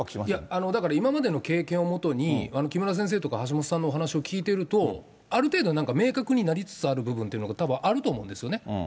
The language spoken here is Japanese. いや、だから今までの経験を基に、木村先生とか橋下さんのお話を聞いてると、ある程度、なんか明確になりつつある部分というのがたぶんあると思うんですよね。